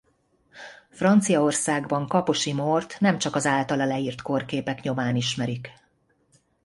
Franciaországban Kaposi Mórt nemcsak az általa leírt kórképek nyomán ismerik.